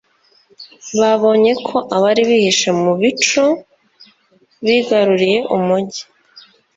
babonye ko abari bihishe mu bico bigaruriye umugi